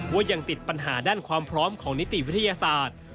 ว่ายังติดปัญหาด้านความพร้อมของนิติวิทยาศาสตร์